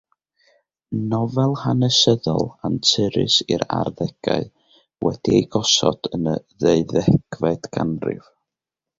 Nofel hanesyddol anturus i'r arddegau, wedi ei gosod yn y ddeuddegfed ganrif.